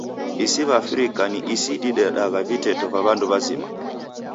Isi w'a Afrika ni isi didedagha viteto va w'andu w'azima.